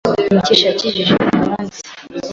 Mukesha yakijije umunsi.